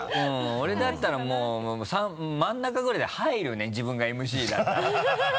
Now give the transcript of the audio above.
俺だったらもう真ん中ぐらいで入るね自分がＭＣだったら。